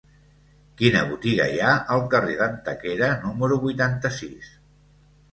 Quina botiga hi ha al carrer d'Antequera número vuitanta-sis?